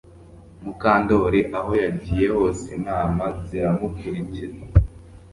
Mukandoli aho yagiye hose intama ziramukurikira